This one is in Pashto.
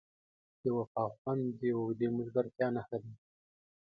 د وفا خوند د اوږدې ملګرتیا نښه ده.